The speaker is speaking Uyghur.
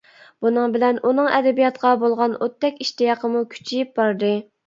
بۇنىڭ بىلەن ئۇنىڭ ئەدەبىياتقا بولغان ئوتتەك ئىشتىياقىمۇ كۈچىيىپ باردى.